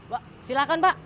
pak silakan pak